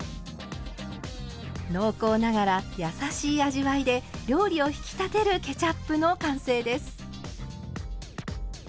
濃厚ながら優しい味わいで料理を引き立てるケチャップの完成です。